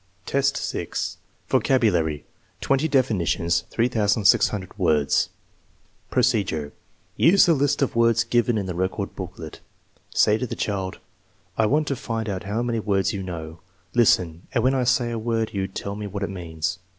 VHI, 6. Vocabulary; twenty definitions, 3600 words Procedure, Use the list of words given in the record booklet. Say to the child: "/ want to find out how many words you know. Listen; and when I say a word you tell me what it means."